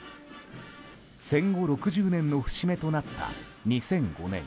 戦後６０年の節目となった２００５年。